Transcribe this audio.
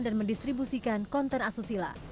dan mendistribusikan konten asusila